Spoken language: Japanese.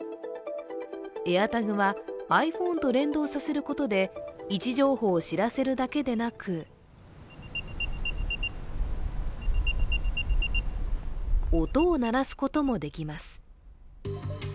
ＡｉｒＴａｇはｉＰｈｏｎｅと連動させることで位置情報を知らせるだけでなく音を鳴らすこともできます。